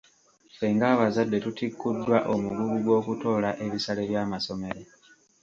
Ffe ng'abazadde tutikkuddwa omugugu gw'okutoola ebisale by'amasomero.